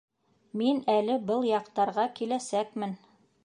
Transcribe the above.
Мин әле был яҡтарға киләсәкмен.